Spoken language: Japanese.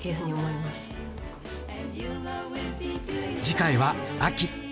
次回は秋。